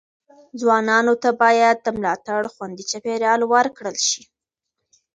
ځوانانو ته باید د ملاتړ خوندي چاپیریال ورکړل شي.